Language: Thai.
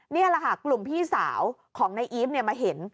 นี่แหละค่ะกลุ่มพี่สาวของนายอีฟมาเห็น